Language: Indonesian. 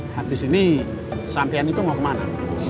habis ini santian itu mau kemana